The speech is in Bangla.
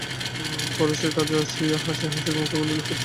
পরে সে কাছে আসিয়া হাসি-হাসি মুখে বলিল, হোত পাত দেখি!